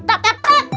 tak tak tak